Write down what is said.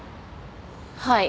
はい。